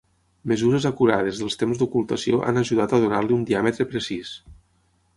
Mesures acurades dels temps d'ocultació han ajudat a donar-li un diàmetre precís.